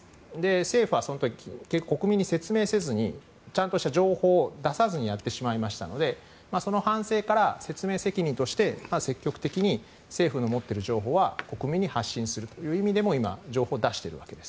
政府はその時、国民に説明せずにちゃんとした情報を出さずにやってしまいましたのでその反省から説明責任として積極的に政府の持ってる情報は国民に発信するという意味でも今、情報を出しているわけです。